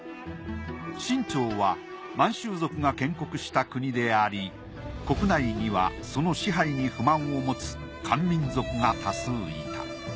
清朝は満州族が建国した国であり国内にはその支配に不満を持つ漢民族が多数いた。